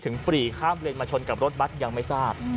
ปรีข้ามเลนมาชนกับรถบัตรยังไม่ทราบ